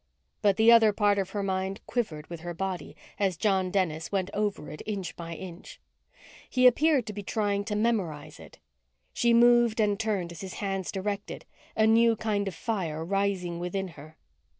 _ But the other part of her mind quivered with her body as John Dennis went over it, inch by inch. He appeared to be trying to memorize it. She moved and turned as his hands directed, a new kind of fire rising within her.